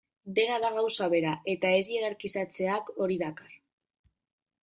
Dena da gauza bera, eta ez hierarkizatzeak hori dakar.